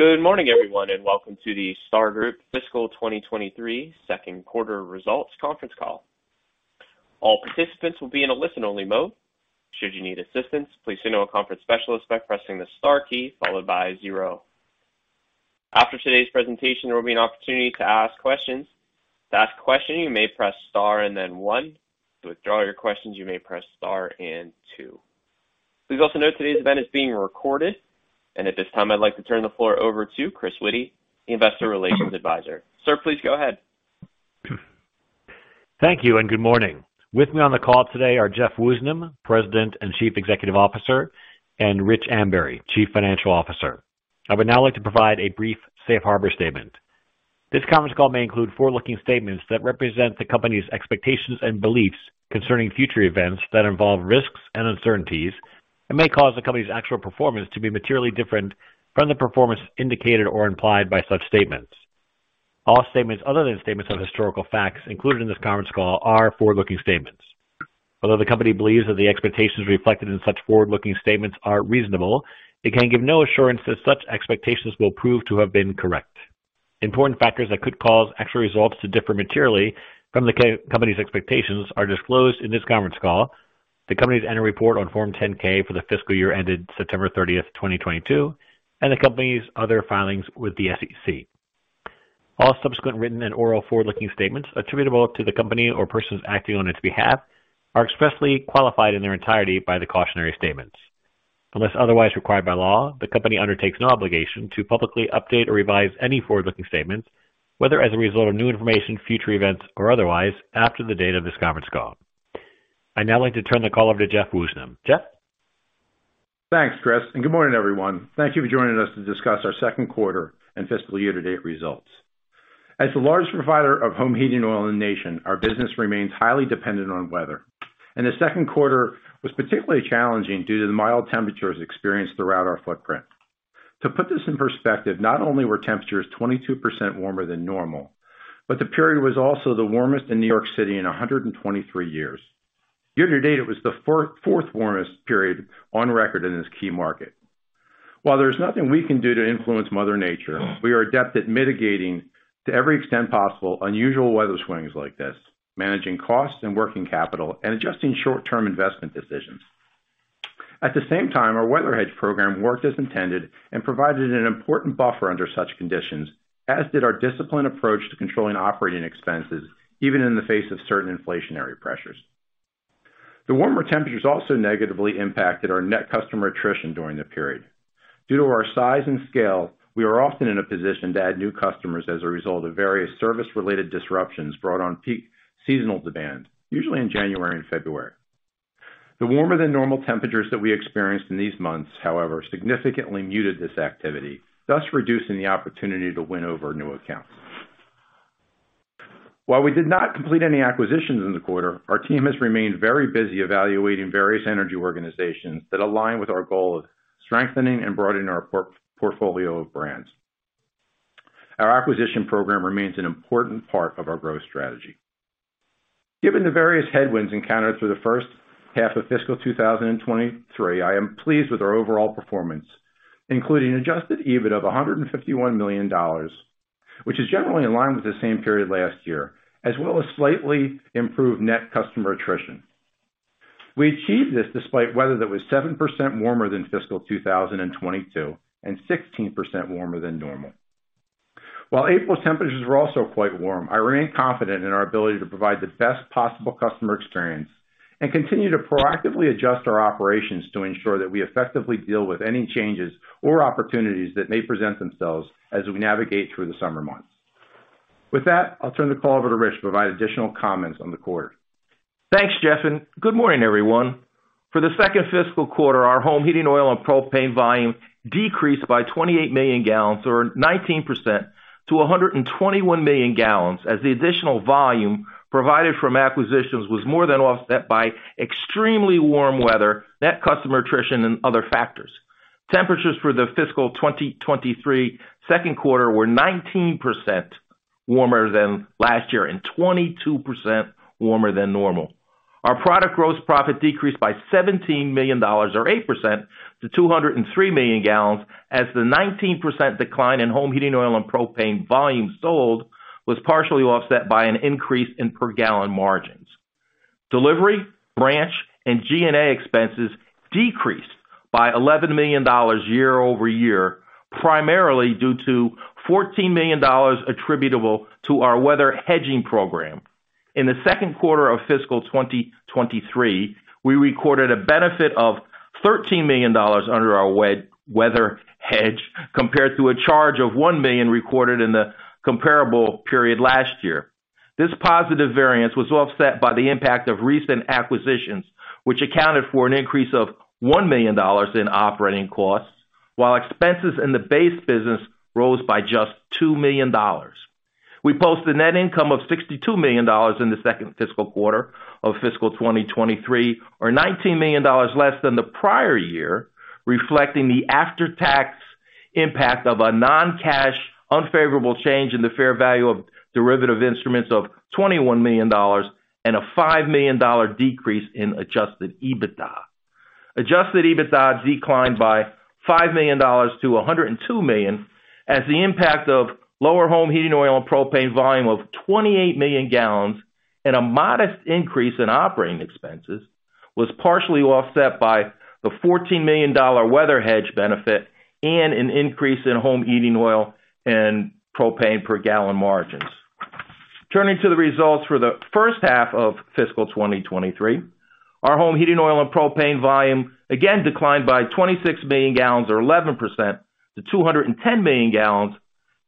Good morning everyone, welcome to the Star Group Fiscal 2023 2nd Quarter Results conference call. All participants will be in a listen-only mode. Should you need assistance, please signal a conference specialist by pressing the Star key followed by zero. After today's presentation, there will be an opportunity to ask questions. To ask a question, you may press Star and then one. To withdraw your questions, you may press Star and two. Please also note today's event is being recorded. At this time, I'd like to turn the floor over to Chris Witty, the investor relations advisor. Sir, please go ahead. Thank you and good morning. With me on the call today are Jeff Woosnam, President and Chief Executive Officer, and Rich Ambury, Chief Financial Officer. I would now like to provide a brief safe harbor statement. This conference call may include forward-looking statements that represent the company's expectations and beliefs concerning future events that involve risks and uncertainties and may cause the company's actual performance to be materially different from the performance indicated or implied by such statements. All statements other than statements of historical facts included in this conference call are forward-looking statements. Although the company believes that the expectations reflected in such forward-looking statements are reasonable, it can give no assurance that such expectations will prove to have been correct. Important factors that could cause actual results to differ materially from the company's expectations are disclosed in this conference call. The company's annual report on Form 10-K for the fiscal year ended September 30, 2022, and the company's other filings with the SEC. All subsequent written and oral forward-looking statements attributable to the company or persons acting on its behalf are expressly qualified in their entirety by the cautionary statements. Unless otherwise required by law, the company undertakes no obligation to publicly update or revise any forward-looking statements, whether as a result of new information, future events, or otherwise, after the date of this conference call. I'd now like to turn the call over to Jeff Woosnam. Jeff? Thanks, Chris. Good morning, everyone. Thank you for joining us to discuss our second quarter and fiscal year-to-date results. As the largest provider of home heating oil in the nation, our business remains highly dependent on weather. The second quarter was particularly challenging due to the mild temperatures experienced throughout our footprint. To put this in perspective, not only were temperatures 22% warmer than normal, but the period was also the warmest in New York City in 123 years. Year-to-date, it was the fourth warmest period on record in this key market. While there's nothing we can do to influence mother nature, we are adept at mitigating, to every extent possible, unusual weather swings like this, managing costs and working capital and adjusting short-term investment decisions. At the same time, our weather hedge program worked as intended and provided an important buffer under such conditions, as did our disciplined approach to controlling operating expenses, even in the face of certain inflationary pressures. The warmer temperatures also negatively impacted our net customer attrition during the period. Due to our size and scale, we are often in a position to add new customers as a result of various service-related disruptions brought on peak seasonal demand, usually in January and February. The warmer than normal temperatures that we experienced in these months, however, significantly muted this activity, thus reducing the opportunity to win over new accounts. While we did not complete any acquisitions in the quarter, our team has remained very busy evaluating various energy organizations that align with our goal of strengthening and broadening our portfolio of brands. Our acquisition program remains an important part of our growth strategy. Given the various headwinds encountered through the first half of fiscal 2023, I am pleased with our overall performance, including Adjusted EBIT of $151 million, which is generally in line with the same period last year, as well as slightly improved net customer attrition. We achieved this despite weather that was 7% warmer than fiscal 2022 and 16% warmer than normal. While April's temperatures were also quite warm, I remain confident in our ability to provide the best possible customer experience and continue to proactively adjust our operations to ensure that we effectively deal with any changes or opportunities that may present themselves as we navigate through the summer months. I'll turn the call over to Rich to provide additional comments on the quarter. Thanks, Jeff, and good morning, everyone. For the second fiscal quarter, our home heating oil and propane volume decreased by 28 million gallons or 19% to 121 million gallons, as the additional volume provided from acquisitions was more than offset by extremely warm weather, net customer attrition, and other factors. Temperatures for the fiscal 2023 second quarter were 19% warmer than last year and 22% warmer than normal. Our product gross profit decreased by $17 million or 8% to 203 million gallons as the 19% decline in home heating oil and propane volume sold was partially offset by an increase in per gallon margins. Delivery, branch, and G&A expenses decreased by $11 million year-over-year, primarily due to $14 million attributable to our weather hedging program. In the second quarter of fiscal 2023, we recorded a benefit of $13 million under our weather hedge, compared to a charge of $1 million recorded in the comparable period last year. This positive variance was offset by the impact of recent acquisitions, which accounted for an increase of $1 million in operating costs, while expenses in the base business rose by just $2 million. We posted net income of $62 million in the second fiscal quarter of fiscal 2023 or $19 million less than the prior year, reflecting the after-tax impact of a non-cash unfavorable change in the fair value of derivative instruments of $21 million and a $5 million decrease in Adjusted EBITDA. Adjusted EBITDA declined by $5 million to $102 million, as the impact of lower home heating oil and propane volume of 28 million gallons and a modest increase in operating expenses was partially offset by the $14 million weather hedge benefit and an increase in home heating oil and propane per gallon margins. Turning to the results for the first half of fiscal 2023, our home heating oil and propane volume again declined by 26 million gallons or 11% to 210 million gallons,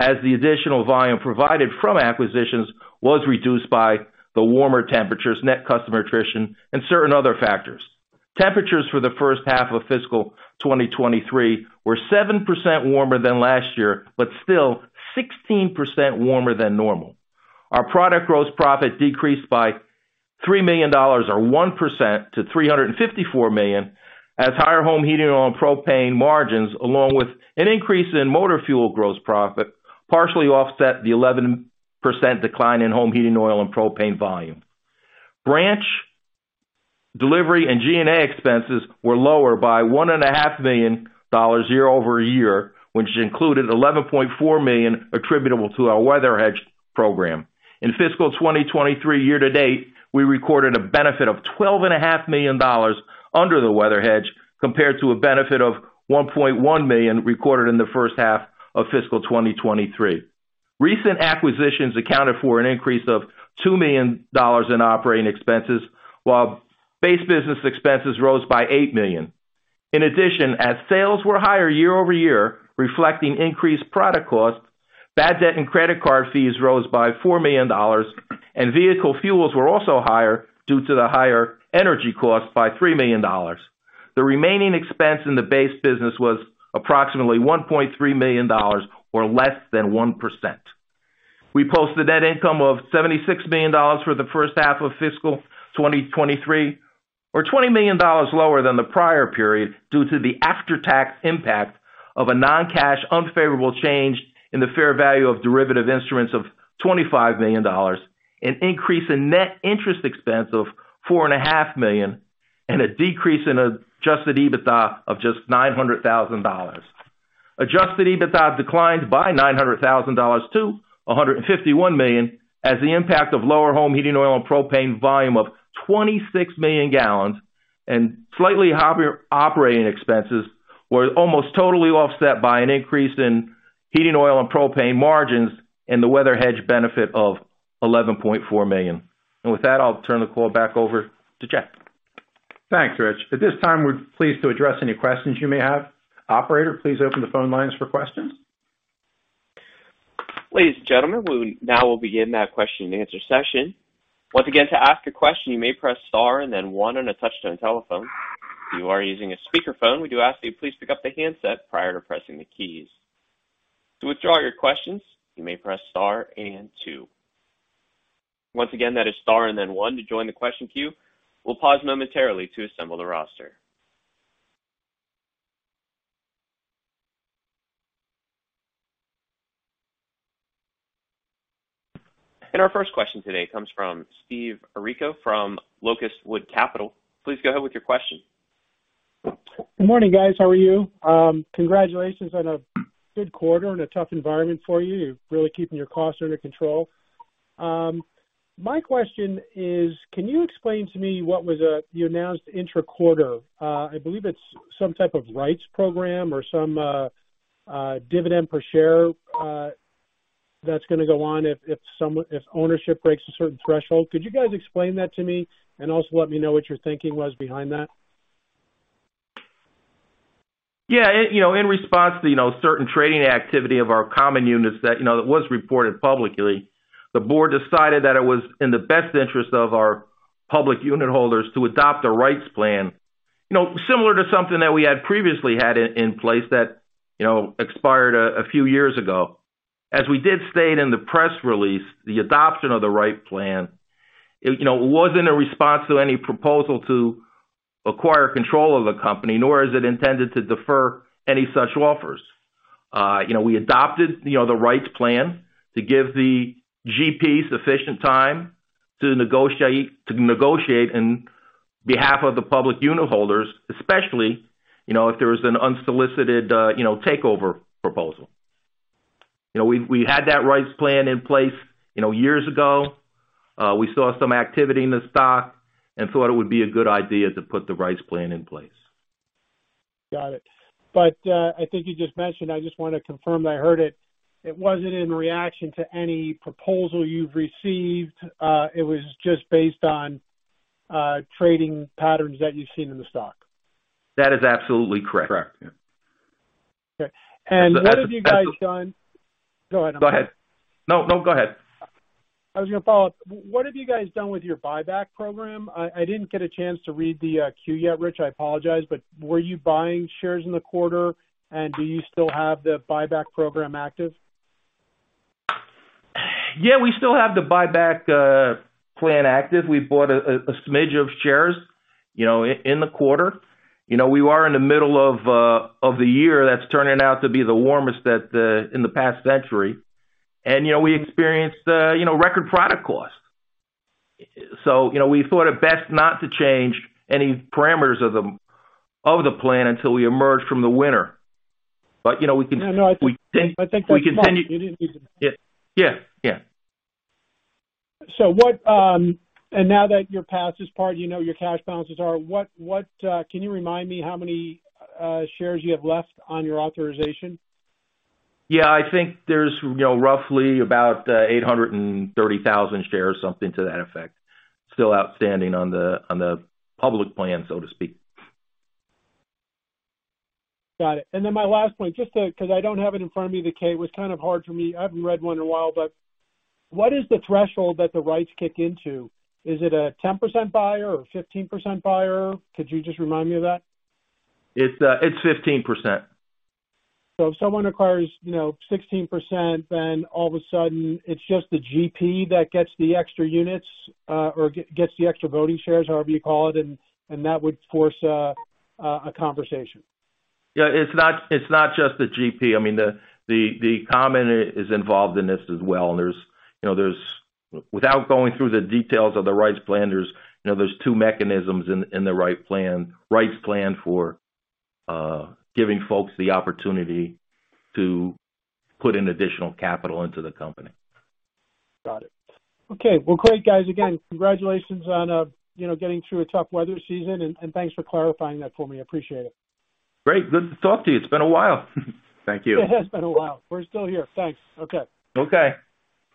as the additional volume provided from acquisitions was reduced by the warmer temperatures, net customer attrition, and certain other factors. Temperatures for the first half of fiscal 2023 were 7% warmer than last year, but still 16% warmer than normal. Our product gross profit decreased by $3 million or 1% to $354 million, as higher home heating oil and propane margins, along with an increase in motor fuel gross profit, partially offset the 11% decline in home heating oil and propane volume. Branch delivery and G&A expenses were lower by one and a half million dollars year-over-year, which included $11.4 million attributable to our weather hedge program. In fiscal 2023 year-to-date, we recorded a benefit of twelve and a half million dollars under the weather hedge, compared to a benefit of $1.1 million recorded in the first half of fiscal 2023. Recent acquisitions accounted for an increase of $2 million in operating expenses, while base business expenses rose by $8 million. As sales were higher year-over-year, reflecting increased product costs, bad debt and credit card fees rose by $4 million and vehicle fuels were also higher due to the higher energy costs by $3 million. The remaining expense in the base business was approximately $1.3 million or less than 1%. We posted net income of $76 million for the first half of fiscal 2023 or $20 million lower than the prior period due to the after-tax impact of a non-cash unfavorable change in the fair value of derivative instruments of $25 million, an increase in net interest expense of $4.5 million, and a decrease in Adjusted EBITDA of just $900,000. Adjusted EBITDA declined by $900,000-$151 million as the impact of lower home heating oil and propane volume of 26 million gallons and slightly higher operating expenses were almost totally offset by an increase in heating oil and propane margins and the weather hedge benefit of $11.4 million. With that, I'll turn the call back over to Jeff. Thanks, Rich. At this time, we're pleased to address any questions you may have. Operator, please open the phone lines for questions. Ladies and gentlemen, we now will begin that question and answer session. Once again, to ask a question, you may press Star and then one on a touch-tone telephone. If you are using a speaker phone, we do ask that you please pick up the handset prior to pressing the keys. To withdraw your questions, you may press Star and two. Once again, that is Star and then one to join the question queue. We'll pause momentarily to assemble the roster. Our first question today comes from Steve Errico from Locust Wood Capital. Please go ahead with your question. Good morning, guys. How are you? Congratulations on a good quarter and a tough environment for you. You're really keeping your costs under control. My question is, can you explain to me what was, you announced intra-quarter? I believe it's some type of rights program or some, dividend per share, that's gonna go on if ownership breaks a certain threshold. Could you guys explain that to me and also let me know what your thinking was behind that? Yeah. You know, in response to, you know, certain trading activity of our common units that, you know, that was reported publicly, the board decided that it was in the best interest of our public unit holders to adopt a rights plan, you know, similar to something that we had previously had in place that, you know, expired a few years ago. As we did state in the press release, the adoption of the rights plan, it, you know, wasn't a response to any proposal to acquire control of the company, nor is it intended to defer any such offers. You know, we adopted, you know, the rights plan to give the GP sufficient time to negotiate in behalf of the public unit holders, especially, you know, if there was an unsolicited, you know, takeover proposal. You know, we had that rights plan in place, you know, years ago. We saw some activity in the stock and thought it would be a good idea to put the rights plan in place. Got it. I think you just mentioned, I just wanna confirm that I heard it. It wasn't in reaction to any proposal you've received. It was just based on trading patterns that you've seen in the stock. That is absolutely correct. Correct. Okay. What have you guys done? Go ahead. Go ahead. No, no, go ahead. I was gonna follow up. What have you guys done with your buyback program? I didn't get a chance to read the Q yet, Rich. I apologize, were you buying shares in the quarter, and do you still have the buyback program active? Yeah, we still have the buyback plan active. We bought a smidge of shares, you know, in the quarter. You know, we are in the middle of the year that's turning out to be the warmest that in the past century. You know, we experienced, you know, record product costs. You know, we thought it best not to change any parameters of the, of the plan until we emerge from the winter. You know, we can- No, no, I think that's smart. You didn't need to. Yeah. Yeah. What, and now that you're past this part, you know what your cash balances are, can you remind me how many shares you have left on your authorization? Yeah. I think there's, you know, roughly about, 830,000 shares, something to that effect, still outstanding on the, on the public plan, so to speak. Got it. My last point, just 'cause I don't have it in front of me, the K was kind of hard for me. I haven't read one in a while. What is the threshold that the rights kick into? Is it a 10% buyer or 15% buyer? Could you just remind me of that? It's 15%. If someone acquires, you know, 16%, then all of a sudden it's just the GP that gets the extra units, or gets the extra voting shares, however you call it, and that would force a conversation. Yeah. It's not just the GP. I mean, the common is involved in this as well. There's, you know, without going through the details of the rights plan, there's, you know, two mechanisms in the rights plan for giving folks the opportunity to put in additional capital into the company. Got it. Okay. great, guys. Again, congratulations on, you know, getting through a tough weather season, and thanks for clarifying that for me. I appreciate it. Great. Good to talk to you. It's been a while. Thank you. It has been a while. We're still here. Thanks. Okay. Okay.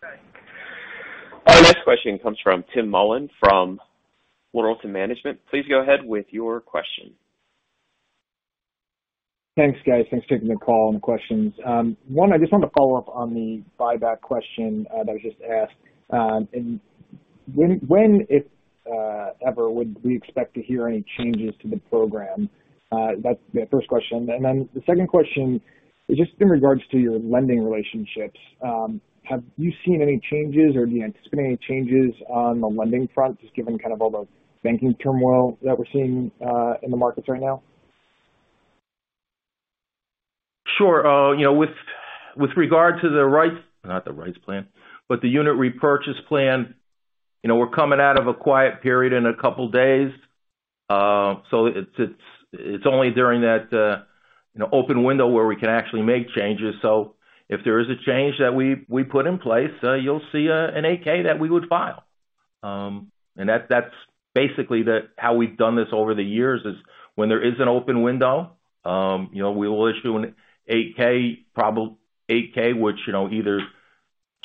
Thanks. Our next question comes from Tim Mullen from Laurelton Management. Please go ahead with your question. Thanks, guys. Thanks for taking the call and the questions. One, I just wanted to follow up on the buyback question that I just asked. When, if ever, would we expect to hear any changes to the program? That's the first question. The second question is just in regards to your lending relationships, have you seen any changes or do you anticipate any changes on the lending front, just given kind of all the banking turmoil that we're seeing in the markets right now? Sure. you know, with regard to the rights. Not the rights plan, but the unit repurchase plan. You know, we're coming out of a quiet period in a couple days, so it's only during that, you know, open window where we can actually make changes. If there is a change that we put in place, you'll see, an Form 8-K that we would file. That, that's basically how we've done this over the years, is when there is an open window, you know, we will issue an Form 8-K, which, you know, either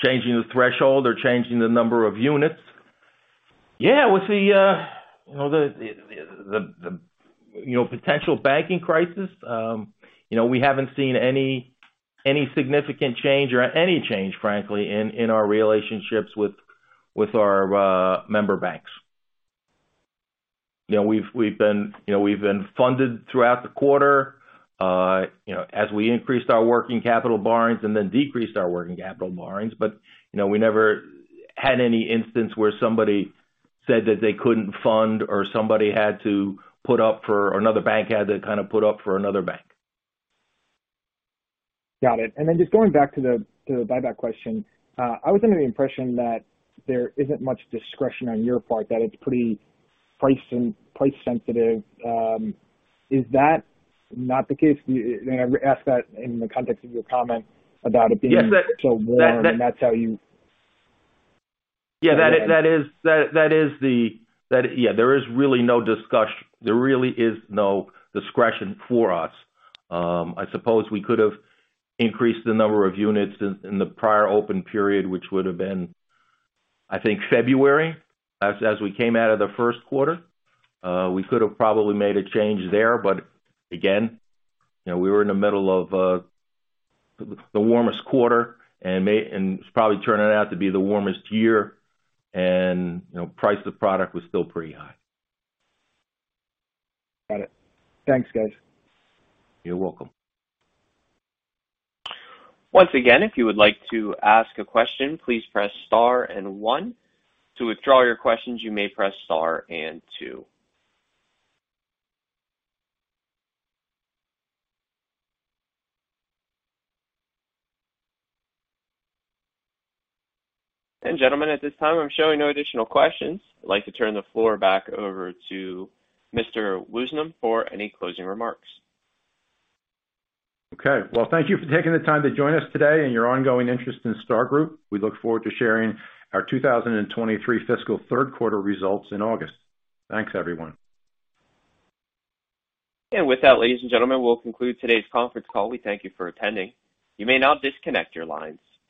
changing the threshold or changing the number of units. Yeah, with the, you know, the, you know, potential banking crisis, you know, we haven't seen any significant change or any change, frankly, in our relationships with our member banks. You know, we've been, you know, we've been funded throughout the quarter, you know, as we increased our working capital borrowings and then decreased our working capital borrowings. You know, we never had any instance where somebody said that they couldn't fund or somebody had to put up for another bank. Got it. Then just going back to the buyback question. I was under the impression that there isn't much discretion on your part, that it's pretty price and price sensitive. Is that not the case? I ask that in the context of your comment about it being- Yes. That. warm, and that's how you Yeah, that is, there is really no discretion for us. I suppose we could have increased the number of units in the prior open period, which would have been, I think, February, as we came out of the first quarter. We could have probably made a change there. Again, you know, we were in the middle of the warmest quarter and it's probably turning out to be the warmest year. You know, price of product was still pretty high. Got it. Thanks, guys. You're welcome. Once again, if you would like to ask a question, please press star and one. To withdraw your questions, you may press star and two. Gentlemen, at this time, I'm showing no additional questions. I'd like to turn the floor back over to Mr. Woosnam for any closing remarks. Okay. Well, thank you for taking the time to join us today and your ongoing interest in Star Group. We look forward to sharing our 2023 fiscal third quarter results in August. Thanks, everyone. With that, ladies and gentlemen, we'll conclude today's conference call. We thank you for attending. You may now disconnect your lines.